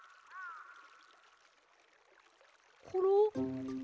コロ？